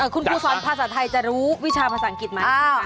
คุณครูสอนภาษาไทยจะรู้วิชาภาษาอังกฤษไหม